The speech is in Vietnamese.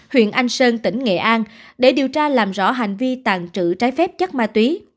huyện anh sơn tỉnh nghệ an để điều tra làm rõ hành vi tàn trữ trái phép chất ma túy